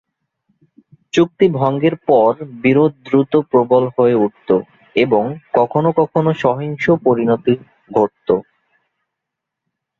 চুক্তি ভঙ্গের পর বিরোধ দ্রুত প্রবল হয়ে উঠত এবং কখনও কখনও সহিংস পরিণতি ঘটত।